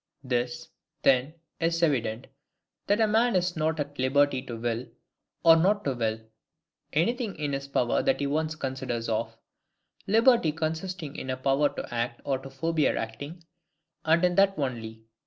This, then, is evident, That A MAN IS NOT AT LIBERTY TO WILL, OR NOT TO WILL, ANYTHING IN HIS POWER THAT HE ONCE CONSIDERS OF: liberty consisting in a power to act or to forbear acting, and in that only.